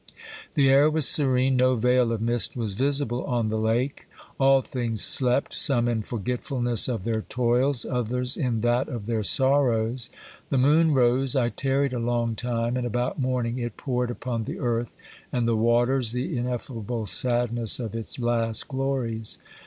The air was serene, no veil of mist was visible on the lake. All things slept, some in forgetfulness of their toils, others in that of their sorrows. The moon rose, I tarried a long time, and about morning it poured upon the earth and the waters the ineffable sadness of its last glories.